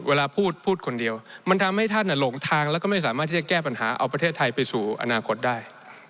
เวลาพูดพูดคนเดียวมันทำให้ท่านหลงทางแล้วก็ไม่สามารถที่จะแก้ปัญหาเอาประเทศไทยไปสู่อนาคตได้